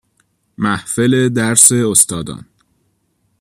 محفل درس استادان